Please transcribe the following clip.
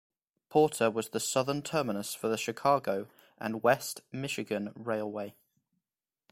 Porter was the southern terminus for the Chicago and West Michigan Railway.